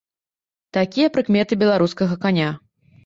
Такія прыкметы беларускага каня.